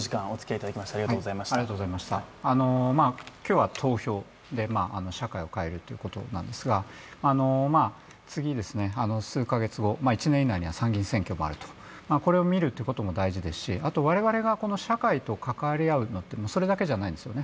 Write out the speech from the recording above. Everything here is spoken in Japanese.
今日は投票で社会を変えるということですが次、数カ月後、１年以内には参議院選挙もあると、これを見るということも大事ですし、あと我々が社会と関わり合うのはそれだけじゃないんですよね。